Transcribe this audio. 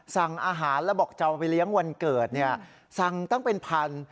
สั่งอาหารแล้วบอกจะเอาไปเลี้ยงวันเกิดเนี่ยสั่งตั้งเป็นพัน